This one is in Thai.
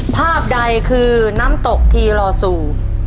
ภาพใดคือน้ำตกทีลอซู